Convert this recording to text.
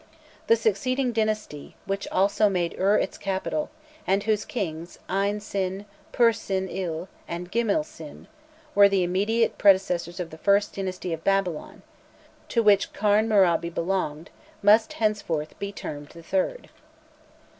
The succeeding dynasty, which also made Ur its capital, and whose kings, Ine Sin, Pur Sin IL, and Gimil Sin, were the immediate predecessors of the first dynasty of Babylon (to which Kharnmurabi belonged), must henceforth be termed the third.